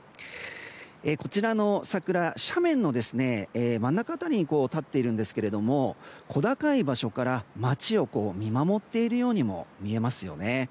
こちらの桜、斜面の真ん中辺りに立っているんですが小高い場所から街を見守っているようにも見えますよね。